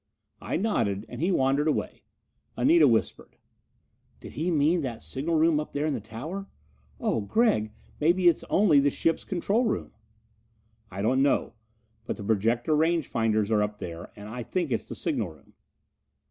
I nodded, and he wandered away. Anita whispered: "Did he mean that signal room up here in the tower? Oh, Gregg, maybe it's only the ship's control room!" "I don't know. But the projector range finders are up there, and I think it's the signal room."